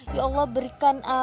ya allah berikan